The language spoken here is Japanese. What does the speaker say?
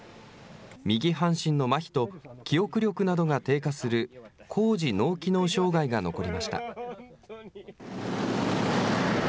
右半身のまひと、記憶力などが低下する高次脳機能障害が残りました。